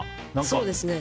そうですね。